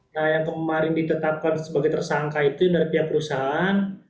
nah yang kemarin ditetapkan sebagai tersangka itu dari pihak perusahaan